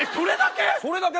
それだけ？